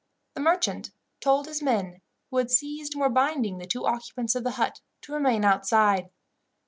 The merchant told his men, who had seized and were binding the two occupants of the hut, to remain outside.